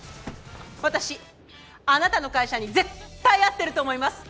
私あなたの会社に絶対合ってると思います！